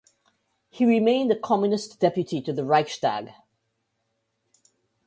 He remained a communist deputy to the Reichstag.